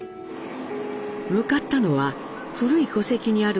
向かったのは古い戸籍にある本籍地